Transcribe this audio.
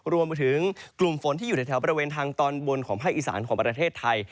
รวมไปถึงกลุ่มฝนที่อยู่ในแถวบริเวณทางตอนบนของภาคอีสานของประเทศไทย